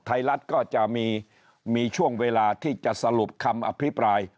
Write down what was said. ไทยรัฐก็จะมีช่วงเวลาที่จะสรุปคำอภิปราย